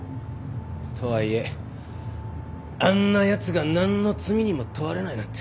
とはいえあんなやつが何の罪にも問われないなんて。